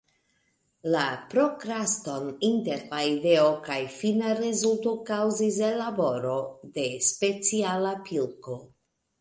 La prokraston inter la ideo kaj fina rezulto kaŭzis ellaboro de speciala pilko.